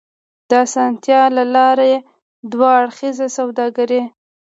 د اسانتيا له لارې دوه اړخیزه سوداګري